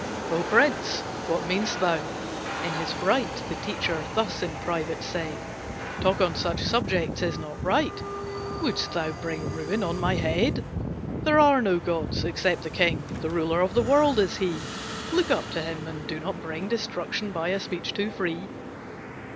"O Prince, what mean'st thou?" In his fright The teacher thus in private said "Talk on such subjects is not right, Wouldst thou bring ruin on my head? There are no gods except the king, The ruler of the world is he! Look up to him, and do not bring Destruction by a speech too free.